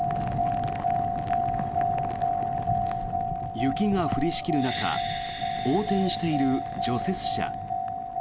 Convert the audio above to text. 雪が降りしきる中横転している除雪車。